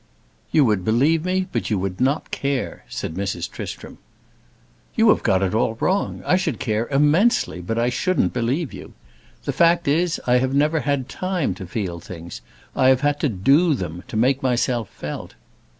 "You would believe me, but you would not care," said Mrs. Tristram. "You have got it all wrong. I should care immensely, but I shouldn't believe you. The fact is I have never had time to feel things. I have had to do them, to make myself felt."